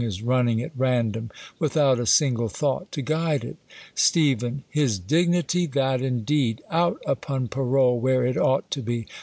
s running at random, without a single nought to guide it ? Steph, His dignity ! that indeed ! Out upon parole, here it ought to be.